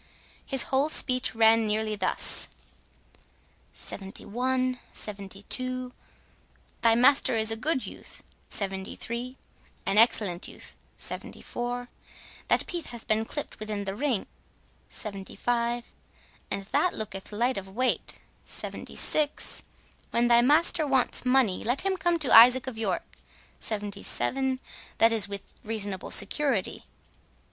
His whole speech ran nearly thus: "Seventy one—seventy two; thy master is a good youth—seventy three, an excellent youth—seventy four—that piece hath been clipt within the ring—seventy five—and that looketh light of weight—seventy six—when thy master wants money, let him come to Isaac of York—seventy seven—that is, with reasonable security."